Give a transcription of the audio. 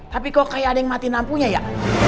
tapi kok kayak ada yang mati nampunya ya